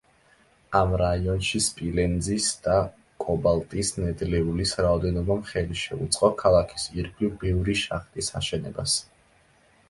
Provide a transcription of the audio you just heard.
ამ რაიონში სპილენძის და კობალტის ნედლეულის რაოდენობამ ხელი შეუწყო ქალაქის ირგვლივ ბევრი შახტის აშენებას.